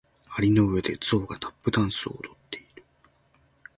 蟻の上でゾウがタップダンスを踊っている。